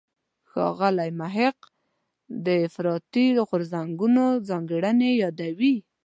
ښاغلی محق د افراطي غورځنګونو ځانګړنې یادوي.